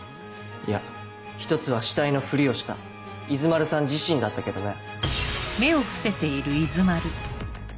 いや１つは死体のふりをした伊豆丸さん自身だったけどね。